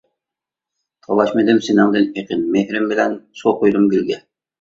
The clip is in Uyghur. تالاشمىدىم سېنىڭدىن ئېقىن، مېھرىم بىلەن سۇ قۇيدۇم گۈلگە.